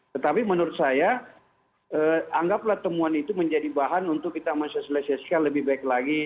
tetapi menurut saya anggaplah temuan itu menjadi bahan untuk kita mensosialisasikan lebih baik lagi